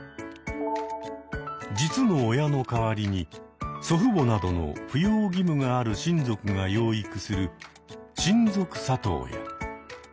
実の親の代わりに祖父母などの扶養義務がある親族が養育する「親族里親」。